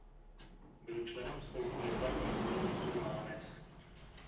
Byl členem spolku výtvarných umělců Mánes.